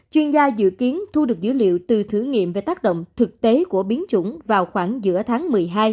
chuyên gia dự kiến thu được dữ liệu từ thử nghiệm về tác động thực tế của biến chủng vào khoảng giữa tháng một mươi hai